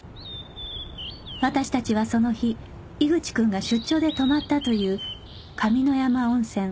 私達はその日井口君が出張で泊まったという上山温泉